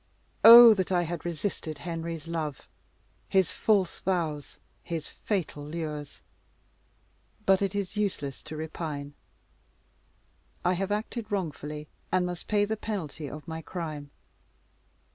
Oh! that I had resisted Henry's love his false vows his fatal lures! But it is useless to repine. I have acted wrongfully and must pay the penalty of my crime.